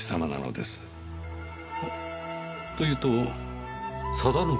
というと定信様の？